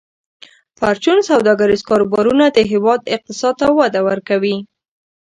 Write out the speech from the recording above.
پرچون سوداګریز کاروبارونه د هیواد اقتصاد ته وده ورکوي.